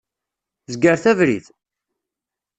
Zegret abrid!